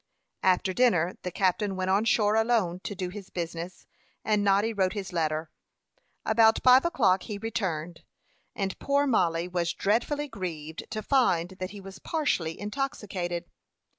After dinner the captain went on shore alone to do his business, and Noddy wrote his letter. About five o'clock he returned, and poor Mollie was dreadfully grieved to find that he was partially intoxicated.